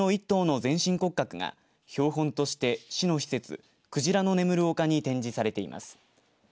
１頭の全身骨格が標本として市の施設くじらの眠る丘に展示されています。